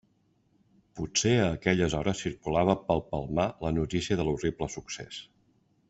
Potser a aquelles hores circulava pel Palmar la notícia de l'horrible succés.